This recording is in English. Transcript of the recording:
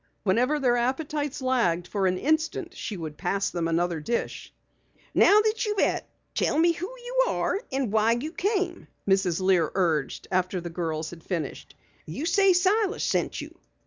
Whenever their appetites lagged for an instant she would pass them another dish. "Now that you've et, tell me who you are and why you came," Mrs. Lear urged after the girls had finished. "You say Silas sent you?"